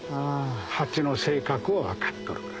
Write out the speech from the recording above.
蜂の性格を分かっとる。